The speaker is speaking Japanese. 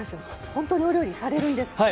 ほんとにお料理されるんですって。